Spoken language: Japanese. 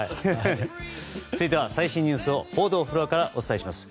続いて、最新ニュースを報道フロアからお伝えします。